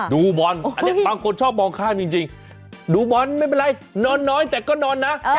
ดูบอลอันนี้บางคนชอบมองข้ามจริงดูบอลไม่เป็นไรนอนน้อยแต่ก็นอนนะ